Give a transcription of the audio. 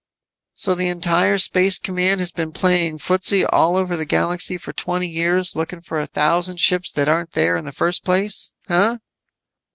"So the entire space command has been playing footsie all over the galaxy for twenty years looking for a thousand ships that aren't there in the first place, huh?"